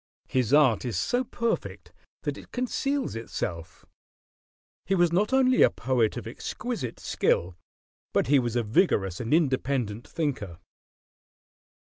His art is so perfect that it conceals itself. He was not only a poet of exquisite skill, but he was a vigorous and independent thinker.